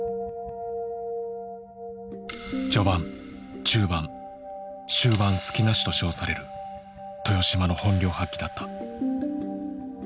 「序盤・中盤・終盤隙なし」と称される豊島の本領発揮だった。